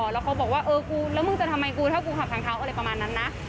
แล้วเขาบอกว่าเออกูแล้วมึงจะทำไมกูถ้ากูขับทางเท้าอะไรประมาณนั้นนะ